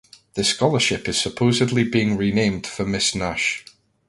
The scholarship is supposedly being renamed for Miss Nash.